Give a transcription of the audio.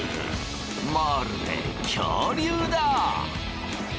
まるで恐竜だ！